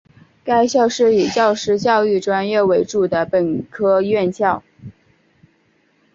该校是以教师教育专业为主的本科院校。